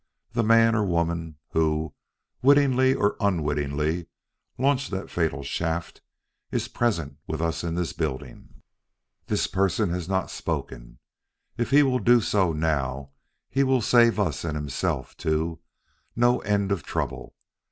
The man or woman who, wittingly or unwittingly, launched that fatal shaft, is present with us in this building. This person has not spoken. If he will do so now, he will save us and himself, too, no end of trouble.